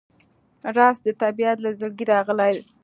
رس د طبیعت له زړګي راغلی